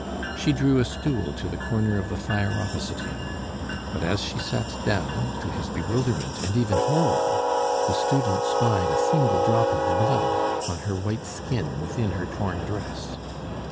She drew a stool to the corner of the fire opposite him. But as she sat down, to his bewilderment, and even horror, the student spied a single drop of blood on her white skin within her torn dress.